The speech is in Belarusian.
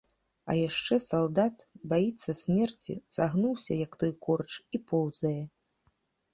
А яшчэ салдат, баіцца смерці, сагнуўся, як той корч, і поўзае.